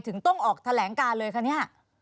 ถึงต้องออกแถลงการเลยคะเนี่ย